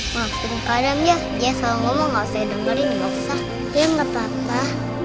maksudnya kadangnya dia selalu ngomong ngasih dengerin maksa ya nggak papa